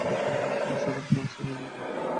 তারা সাধারণ শ্রেনীর লোকজন।